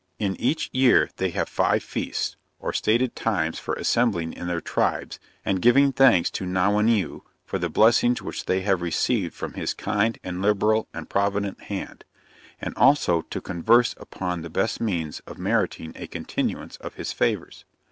In each year they have five feasts, or stated times for assembling in their tribes, and giving thanks to Nauwaneu, for the blessings which they have received from his kind and liberal and provident hand; and also to converse upon the best means of meriting a continuance of his favors.